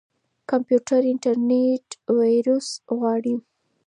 کمپيوټر انټيويروس غواړي.